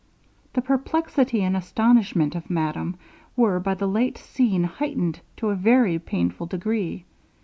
The perplexity and astonishment of madame, were by the late scene heightened to a very painful degree.